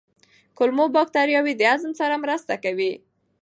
کولمو بکتریاوې د هضم سره مرسته کوي.